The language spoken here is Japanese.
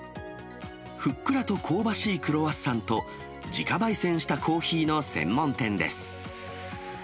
ふっくらと香ばしいクロワッサンと、自家焙煎したコーヒーの専門店です。